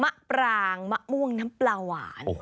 มะปรางมะม่วงน้ำปลาหวาน